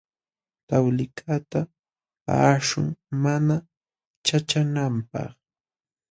Tawlikaqta paqaśhun mana ćhaqćhananpaq.